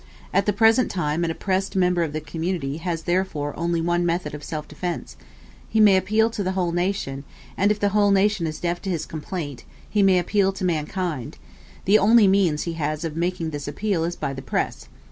At the present time, an oppressed member of the community has therefore only one method of self defence he may appeal to the whole nation; and if the whole nation is deaf to his complaint, he may appeal to mankind: the only means he has of making this appeal is by the press.